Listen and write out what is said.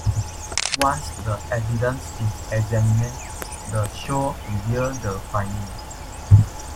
Once the evidence is examined, the show reveals the findings.